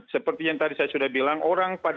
seperti yang tadi saya sudah bilang